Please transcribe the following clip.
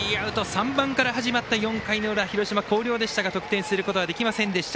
３番から始まった４回の裏広島・広陵でしたが得点することができませんでした。